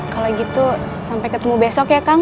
kalau gitu sampai ketemu besok ya kang